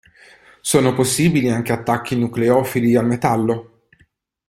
Sono possibili anche attacchi nucleofili al metallo.